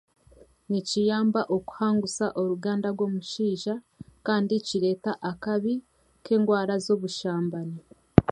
Nikiyamba okuhangusa orugaanda rw'omusheija kandi kireta akabi k'endwaara z'obushambani.